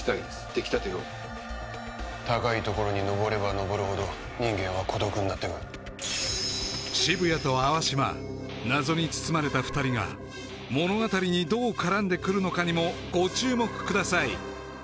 できたてを高い所にのぼればのぼるほど人間は孤独になってく渋谷と淡島謎に包まれた２人が物語にどう絡んでくるのかにもご注目ください